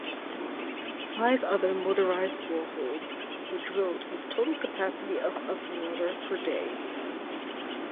Five other "motorised boreholes" were drilled with total capacity of of water per day.